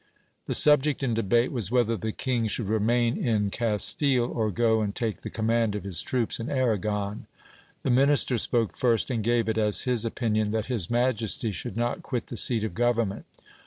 The subject in debate was whether the king should remain in Cas tile, or go and take the command of his troops in Arragon. The minister spoke first, and gave it as his opinion that his majesty should not quit the seat of government.